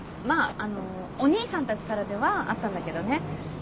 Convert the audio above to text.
あのお兄さんたちからではあったんだけどね。